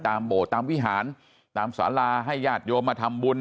โบสถ์ตามวิหารตามสาราให้ญาติโยมมาทำบุญ